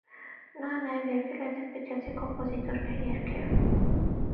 Նա նաև երգել է ադրբեջանցի կոմպոզիտորների երգերը։